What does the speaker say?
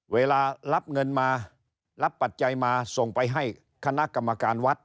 เวลารับเงินมารับปัจจัยมาส่งไปให้คณะกรรมการวัด